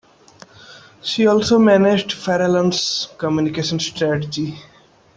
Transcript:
She also managed Farallon's communication strategy.